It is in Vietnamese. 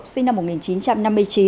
sinh năm một nghìn chín trăm năm mươi chín